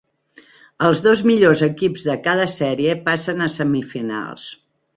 Els dos millors equips de cada sèrie passen a semifinals.